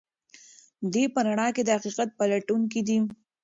دی په رڼا کې د حقیقت پلټونکی دی.